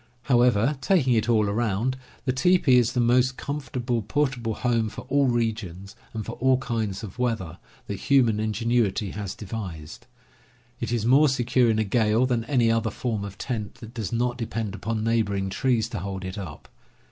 How ever, taking it all around, the teepee is the most com fortable portable home for all regions, and for all kinds of weather, that human ingenuity has devised. It is more secure in a gale than any other form of tent that does not depend upon neighboring trees to hold it up.